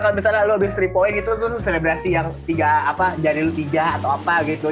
kalo misalnya lo abis tiga poin itu tuh lo selebrasi yang tiga apa jadil tiga atau apa gitu